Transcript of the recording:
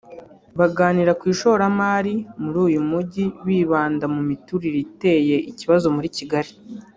baganira ku ishoramari muri uyu Mujyi bibanda ku miturire iteye ikibazo muri Kigali